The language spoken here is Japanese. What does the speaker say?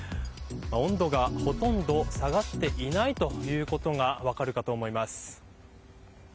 温度がほとんど下がっていないということが分かるかと思います。